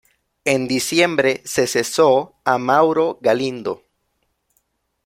En diciembre se cesó a Mauro Galindo.